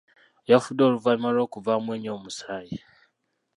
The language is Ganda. Yafudde oluvannyuma lw'okuvaamu ennyo omusaayi.